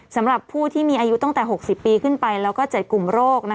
สำหรับผู้ที่มีอายุตั้งแต่๖๐ปีขึ้นไปแล้วก็๗กลุ่มโรค